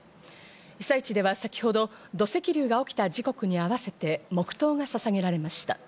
被災地では先ほど土石流が起きた時刻に合わせて黙祷がささげられました。